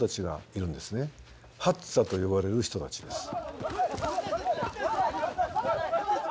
ハッザと呼ばれる人たちです。